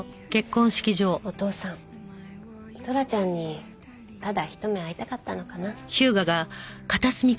お父さんトラちゃんにただひと目会いたかったのかな。